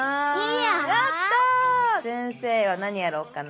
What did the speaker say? やった先生は何やろうかな？